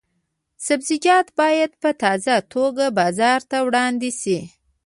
سبزیجات باید په تازه توګه بازار ته وړاندې شي.